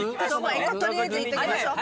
取りあえず行っときましょう。